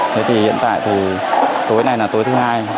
thế thì hiện tại thì tối nay là tối thứ hai